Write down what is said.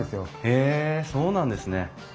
へえそうなんですね。